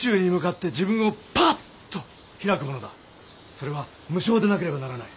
それは無償でなければならない。